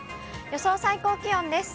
予想最高気温です。